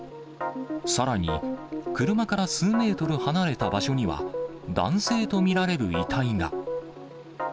さらに車から数メートル離れた場所には、男性と見られる遺体が。